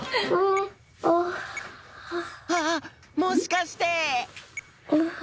あっもしかして！